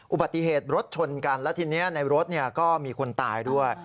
อุบัติเหตุรถชนกันแล้วทีนี้ในรถก็มีคนตายด้วย